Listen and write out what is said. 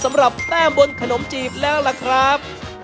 สำหรับแต้มบนขนมจีบแล้วล่ะครับ